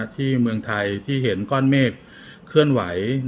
ที่เมืองไทยที่เห็นก้อนเมฆเคลื่อนไหว